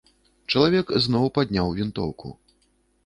Чалавек зноў падняў вінтоўку.